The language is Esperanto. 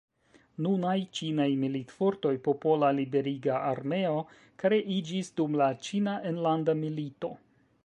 Nunaj Ĉinaj militfortoj, Popola Liberiga Armeo kreiĝis dum la Ĉina enlanda milito.